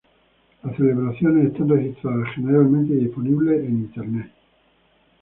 Las celebraciones están registradas generalmente y disponibles en el Internet.